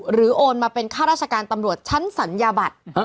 โอนมาเป็นค่าราชการตำรวจชั้นสัญญาบัตร